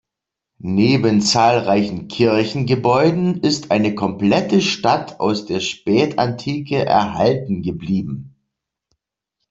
Neben zahlreichen Kirchengebäuden ist eine komplette Stadt aus der Spätantike erhalten geblieben.